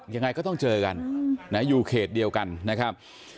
ยังไงก็ต้องเจอกันอยู่เขตเดียวกันนะครับ